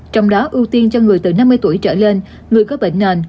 trong đó ưu tiên cho người từ năm mươi tuổi trở lên người có bệnh nền